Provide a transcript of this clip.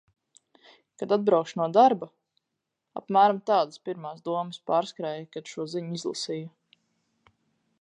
Kad atbraukšu no darba... apmēram tādas pirmās domas pārskrēja, kad šo ziņu izlasīju...